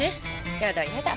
やだやだ。